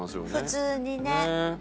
普通にね。